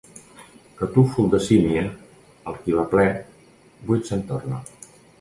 Catúfol de sínia, el qui va ple, buit se'n torna.